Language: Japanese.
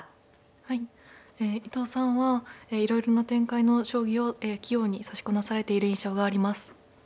はいえ伊藤さんはいろいろな展開の将棋を器用に指しこなされている印象があります。